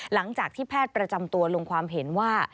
หลังจากที่แพทย์ประจำตัวลงความเห็นว่า